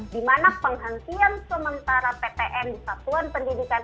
dimana penghentian sementara ptm di satuan pendidikan